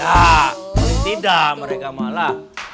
paling tidak mereka malah